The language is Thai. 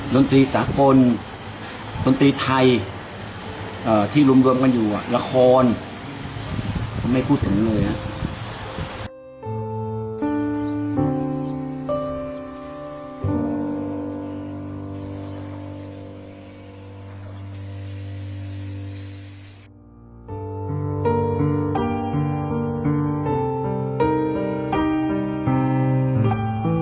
ดนตรีสากลดนตรีไทยที่รวมกันอยู่ละครผมไม่พูดถึงเลยนะ